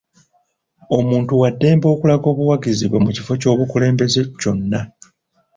Omuntu wa ddemba okulaga obwagazi bwe mu kifo aky'obukulembeze kyonna.